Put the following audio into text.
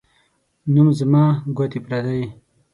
نوم زما ، گوتي پردۍ.